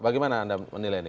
bagaimana anda menilainya